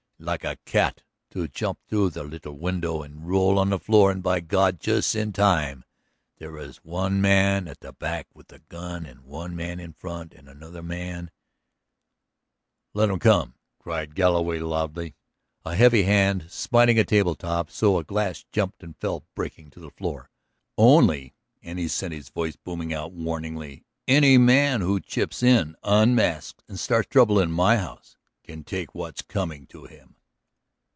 "Like a cat, to jump through the little window an' roll on the floor an' by God, jus' in time. There is one man at the back with a gun an' one man in front an' another man ..." "Let 'em come," cried Galloway loudly, a heavy hand smiting a table top so that a glass jumped and fell breaking to the floor. "Only," and he sent his voice booming out warningly, "any man who chips in unasked and starts trouble in my house can take what's coming to him."